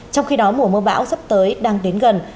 trong khi đó mùa mưa bão sắp tới đang đến gần